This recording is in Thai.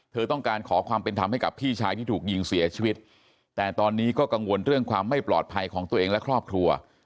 เธอต้องการขอความเป็นธรรมให้กับพี่ชายที่ถูกยิงเสียชีวิตแต่ตอนนี้ก็กังวลเรื่องความไม่ปลอดภัยของตัวเองและครอบครัว